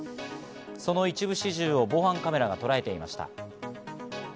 その一部始終を防犯カメラがとらえていました。